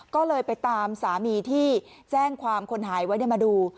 ก็เลยไปตามสามีที่แจ้งความคนหายไว้มาดู